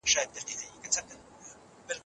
ویل پیره دا خرقه دي